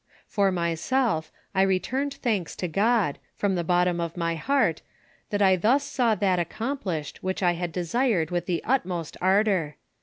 "For myself, I returned thanks to God, from the bottom of my heart, that I thus saw that accomplished which I had desired with the utmost ardor.